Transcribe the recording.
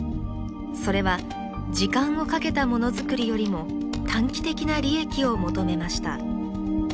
それは時間をかけたものづくりよりも短期的な利益を求めました。